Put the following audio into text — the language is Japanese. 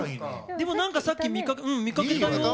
でも何かさっき見かけたよ！